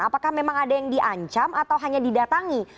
apakah memang ada yang diancam atau hanya didatangi